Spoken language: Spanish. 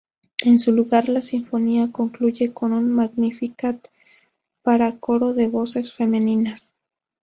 En su lugar, la sinfonía concluye con un Magnificat para coro de voces femeninas.